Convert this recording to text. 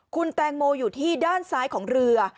คุณแตงโมอยู่ที่ด้านซ้ายของเรือ